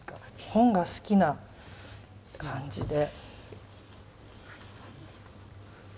本が好きな感じで。